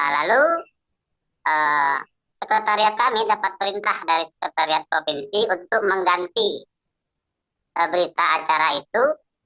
lalu sekretariat kami dapat perintah dari sekretariat provinsi untuk mengganti berita acara itu